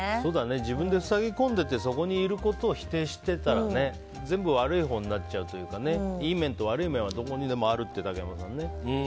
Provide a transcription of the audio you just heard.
自分で塞ぎ込んでてそこにいることを否定してたら、全部悪いほうになっちゃうというか良い面と悪い面はどこにでもあるってね、竹山さん。